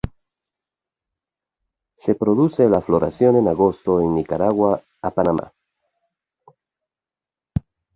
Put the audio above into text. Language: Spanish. Se produce la floración en agosto en Nicaragua a Panamá.